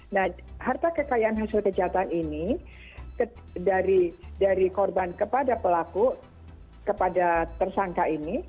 nah harta kekayaan hasil kejahatan ini dari korban kepada pelaku kepada tersangka ini